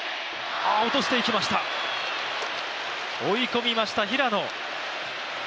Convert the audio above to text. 追い込みました、平野。